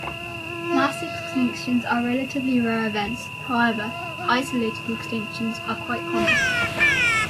Mass extinctions are relatively rare events; however, isolated extinctions are quite common.